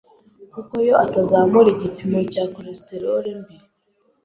kuko yo atazamura igipimo cya cholesterol mbi